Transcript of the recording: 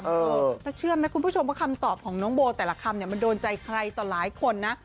แล้วเชื่อไหมคุณผู้ชมว่าคำตอบของน้องโบแต่ละคำเนี่ยมันโดนใจใครต่อหลายคนนะ